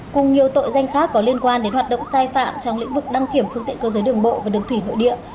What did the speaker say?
cùng nhiều tội danh khác có liên quan đến hoạt động sai phạm trong lĩnh vực đăng kiểm phương tiện cơ giới đường bộ và đường thủy nội địa